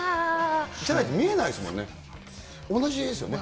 じゃないと、見えないですもんね。